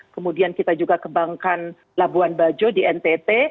kemudian kita juga kebangkan labuan bajo di ntt